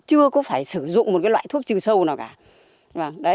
chưa có phải sử dụng một loại thuốc trừ sâu nào cả